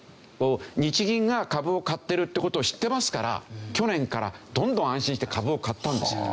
日銀が株を買ってるって事を知ってますから去年からどんどん安心して株を買ったんですよ。